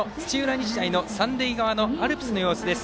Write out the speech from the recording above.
日大の三塁側のアルプスの様子です。